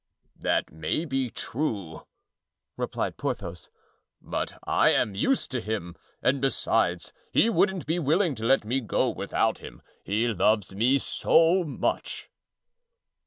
"That may be true," replied Porthos; "but I am used to him, and besides, he wouldn't be willing to let me go without him, he loves me so much."